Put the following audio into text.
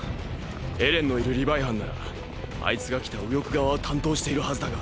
エレンのいるリヴァイ班ならあいつが来た右翼側を担当しているはずだが。